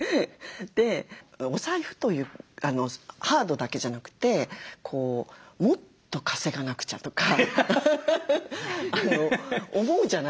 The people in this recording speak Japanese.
でお財布というハードだけじゃなくてもっと稼がなくちゃとか思うじゃないですか。